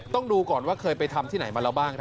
ต้องดูก่อนว่าเคยไปทำที่ไหนมาแล้วบ้าง